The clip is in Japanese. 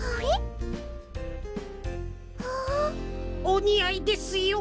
おにあいですよ。